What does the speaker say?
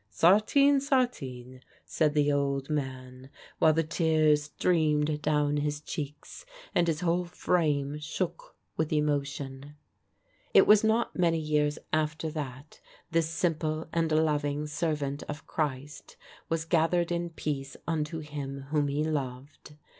'" "Sartin, sartin," said the old man, while the tears streamed down his cheeks, and his whole frame shook with emotion. It was not many years after that this simple and loving servant of Christ was gathered in peace unto Him whom he loved.